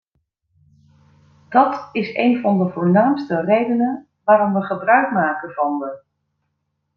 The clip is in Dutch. Dat is een van de voornaamste redenen waarom we gebruik maken van de .